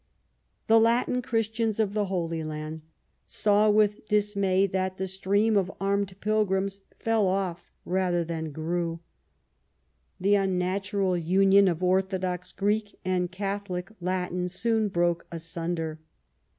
The Latin Christians of the Holy Land saw with dismay that the stream of armed pilgrims fell off rather than grew. The un natural union of Orthodox Greek and Catholic Latin soon broke asunder.